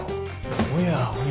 おやおや